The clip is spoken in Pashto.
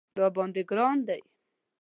راباندې ګران دی